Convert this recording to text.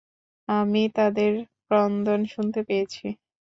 আমি তাদের ক্রন্দন শুনতে পেয়েছি।